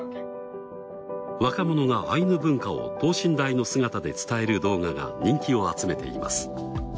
若者がアイヌ文化を等身大の姿で伝える動画が人気を集めています。